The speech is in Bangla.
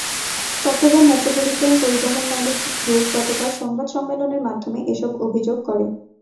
চট্টগ্রাম মেট্রোপলিটন পরিবহন মালিক গ্রুপ গতকাল সংবাদ সম্মেলনের মাধ্যমে এসব অভিযোগ করে।